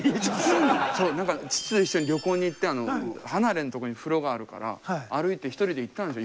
父と一緒に旅行に行ってあの離れんとこに風呂があるから歩いて一人で行ったんですよ